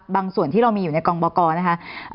ส่วนที่เรามีอยู่ในกองบกรนะคะ